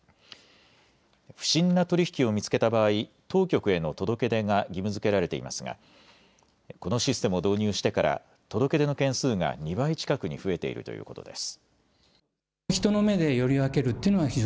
不審な取り引きを見つけた場合、当局への届け出が義務づけられていますが、このシステムを導入してから届け出の件数が２倍近くに増えているということです。